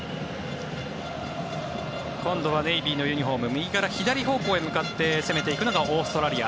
今度はネイビーのユニホーム右から左方向へ向かって攻めていくのがオーストラリア。